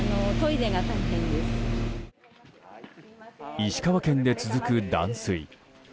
石川県で続く断水。